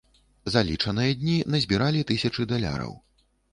За лічаныя дні назбіралі тысячы даляраў.